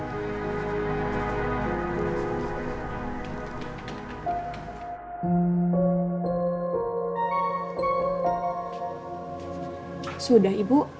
baru saja keluar dari rumah duka